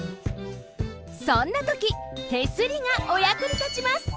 そんなとき手すりがおやくにたちます！